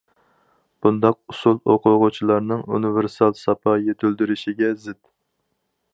بۇنداق ئۇسۇل ئوقۇغۇچىلارنىڭ ئۇنىۋېرسال ساپا يېتىلدۈرۈشىگە زىت.